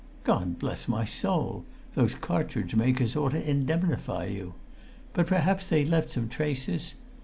"God bless my soul! Those cartridge makers ought to indemnify you. But perhaps they left some traces?